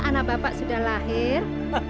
anak bapak sudah lahir